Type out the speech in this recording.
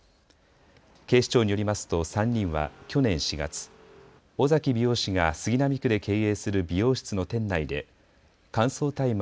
警視庁によりますと３人は去年４月、尾崎美容師が杉並区で経営する美容室の店内で乾燥大麻